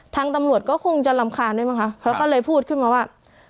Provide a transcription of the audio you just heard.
ทางตำรวจก็คงจะรำคาญได้มั้งค่ะเขาก็เลยพูดขึ้นมาว่า